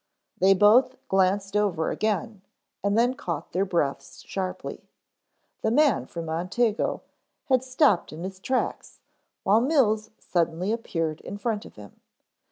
They both glanced over again, and then caught their breaths sharply. The man from Montego had stopped in his tracks, while Mills, suddenly appeared in front of him.